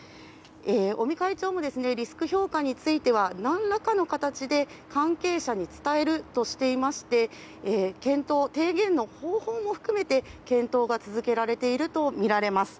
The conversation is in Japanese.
尾身会長もリスク評価については何らかの形で関係者に伝えるとしていまして提言の方法も含めて検討が続けられているとみられます。